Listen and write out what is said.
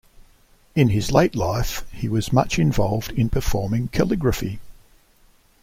In his late life he was much involved in performing calligraphy.